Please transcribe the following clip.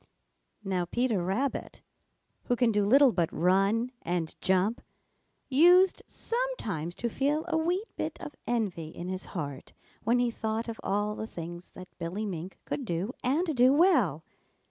Now Peter Rabbit, who can do little but run and jump, used sometimes to feel a wee bit of envy in his heart when he thought of all the things that Billy Mink could do and do well.